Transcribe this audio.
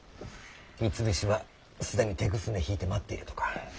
三菱は既にてぐすね引いて待っているとか。